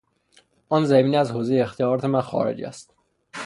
آن زمینه از حوزهی اختیارات من خارج است.